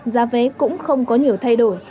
giá vé cũng không có nhiều thay đổi